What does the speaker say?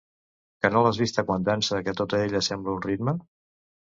Que no l'has vista quan dansa, que tota ella sembla un ritme?